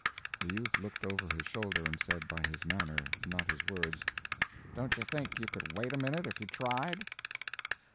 The youth looked over his shoulder and said, by his manner, not his words: "Don't you think you could wait a minute, if you tried?"